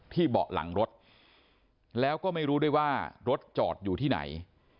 เบาะหลังรถแล้วก็ไม่รู้ด้วยว่ารถจอดอยู่ที่ไหน